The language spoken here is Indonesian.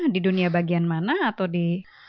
di dunia bagian mana atau di